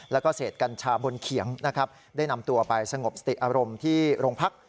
แล้วก็เศษกัญชาบนเขียงนะครับได้นำตัวไปสงบสติอารมณ์ที่โรงพัก